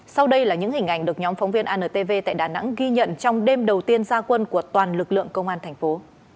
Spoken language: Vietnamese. sau đây là những hình ảnh được nhóm phóng viên antv tại đà nẵng ghi nhận trong đêm đầu tiên gia quân của toàn lực lượng công an thành phố